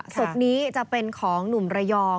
ศพนี้จะเป็นของหนุ่มระยอง